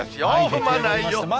踏まないように。